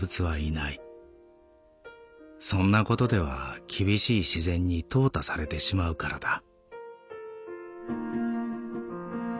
そんなことでは厳しい自然に淘汰されてしまうからだ」。